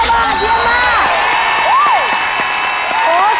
๒๗๙บาทยิงมาก